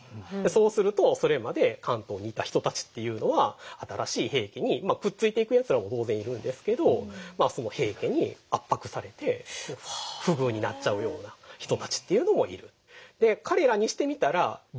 そうするとそれまで関東にいた人たちっていうのは新しい平家にまあくっついていくやつらも大勢いるんですけど平家に圧迫されて不遇になっちゃうような人たちっていうのもいる。